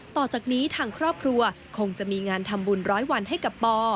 ต่อจากนี้ทางครอบครัวคงจะมีงานทำบุญร้อยวันให้กับปอ